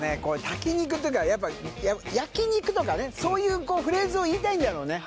炊き肉というかやっぱ焼肉とかねそういうフレーズを言いたいんだろうね